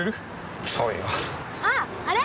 あっあれ？